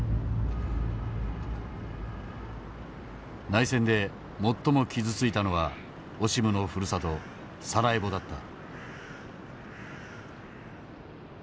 内戦で最も傷ついたのはオシムのふるさとサラエボだった。